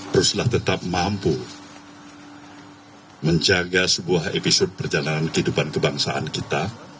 teruslah tetap mampu menjaga sebuah episode perjalanan kehidupan kebangsaan kita